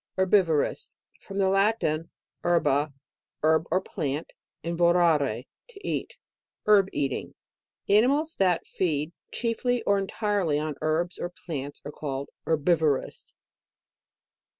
HERBIVOROUS. From the Latin, her ba, herb or plant, and vorare to e it. Herb eating. Animals that feed chiefly, or entirely on herbs or plants, are herbivorous.